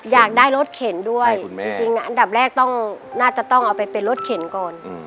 อยากได้รถเข็นด้วยจริงอันดับแรกต้องน่าจะต้องเอาไปเป็นรถเข็นก่อน